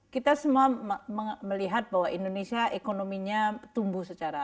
kita semua melihat bahwa indonesia ekonominya tumbuh secara